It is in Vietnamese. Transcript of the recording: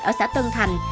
ở xã tân thành